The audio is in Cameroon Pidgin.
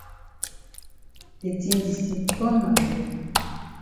De tin di still ton ma bele.